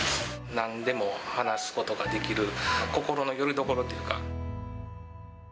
なんでも話すことができる心のよりどころというか。